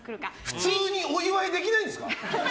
普通にお祝いできないんですか